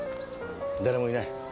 誰もいない。